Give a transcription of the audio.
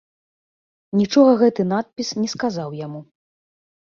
Нічога гэты надпіс не сказаў яму.